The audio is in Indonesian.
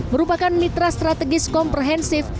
merupakan mitra strategis komprehensif